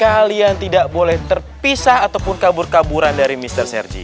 kalian tidak boleh terpisah ataupun kabur kaburan dari mr sergi